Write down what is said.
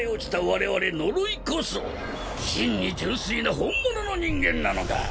我々呪いこそ真に純粋な本物の人間なのだ。